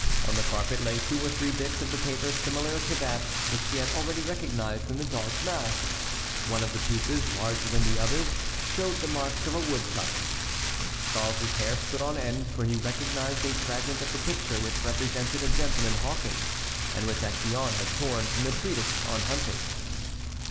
On the carpet lay two or three bits of the paper similar to that which he had already recognized in the dog's mouth. One of the pieces, larger than the others, showed the marks of a woodcut. Charles's hair stood on end, for he recognized a fragment of the picture which represented a gentleman hawking, and which Actéon had torn from the treatise on hunting.